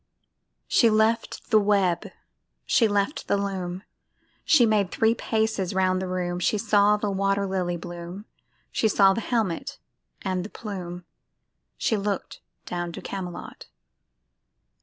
She left the web, she left the loom, She made three paces thro' the room, She saw the water lily bloom, She saw the helmet and the plume, She look'd down to Camelot.